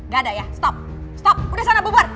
gak ada ya stop stop udah sana bubar